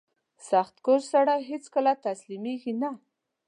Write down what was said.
• سختکوش سړی هیڅکله تسلیمېږي نه.